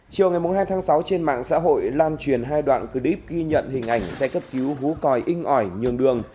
chiều ngày hai tháng sáu trên mạng xã hội lan truyền hai đoạn clip ghi nhận hình ảnh xe cấp cứu vú còi inh ỏi nhường đường